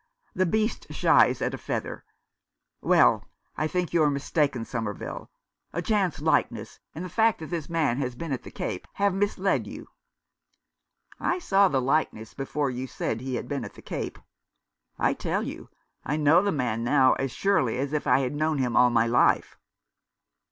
The beast shies at a feather. Well, I think you are mistaken, Somer ville — a chance likeness, and the fact that this man has been at the Cape, have misled you." " I saw the likeness before you said he had been at the Cape. I tell you, I know the man now, as surely as if I had known him all my life."